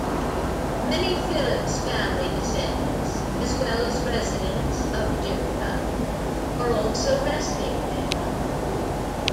Many Phillips family descendants, as well as residents of Jimtown, are also resting there.